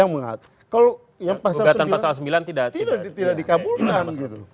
pegatan pasal sembilan tidak dikabulkan